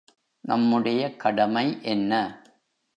நம்முடைய கடமை என்ன?